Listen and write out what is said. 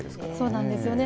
そうなんですよね。